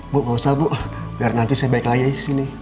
bu gak usah bu biar nanti saya balik lagi disini